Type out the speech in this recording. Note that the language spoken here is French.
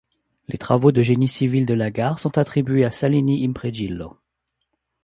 Les travaux de génie civil de la gare sont attribués à Salini Impregilo.